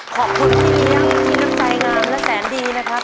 ขอบคุณทุกคนยังที่นับใจงามและแสนดีนะครับ